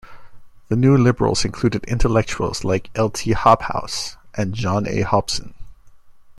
The New Liberals included intellectuals like L. T. Hobhouse, and John A. Hobson.